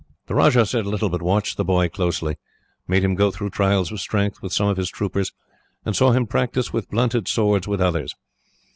He said little, but watched the boy closely, made him go through trials of strength with some of his troopers, and saw him practise with blunted swords with others.